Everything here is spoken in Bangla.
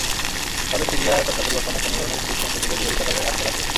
তবে সিরিয়ার সরকার পরিবর্তনে কোনো ধরনের বিদেশি হস্তক্ষেপের বিরোধিতা করে আসছে রাশিয়া।